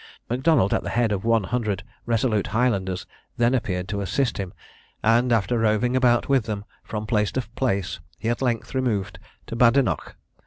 M'Donald, at the head of one hundred resolute Highlanders, then appeared to assist him, and after roving about with them from place to place, he at length removed to Badenoch.